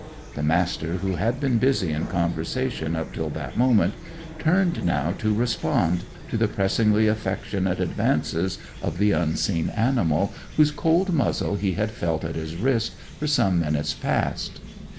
The Master, who had been busy in conversation up till that moment, turned now to respond to the pressingly affectionate advances of the unseen animal, whose cold muzzle he had felt at his wrist for some minutes past.